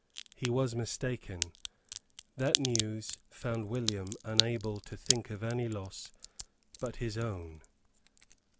He was mistaken. That news found William unable to think of any loss but his own.